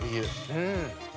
うん。